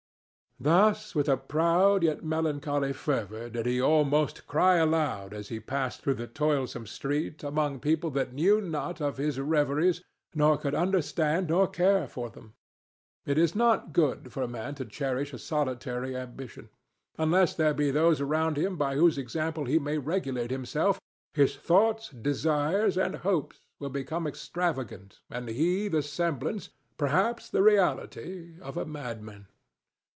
Thus with a proud yet melancholy fervor did he almost cry aloud as he passed through the toilsome street among people that knew not of his reveries nor could understand nor care for them. It is not good for man to cherish a solitary ambition. Unless there be those around him by whose example he may regulate himself, his thoughts, desires and hopes will become extravagant and he the semblance—perhaps the reality—of a madman.